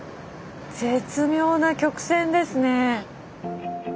絶妙な曲線ですね。